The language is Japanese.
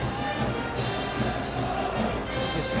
いいですね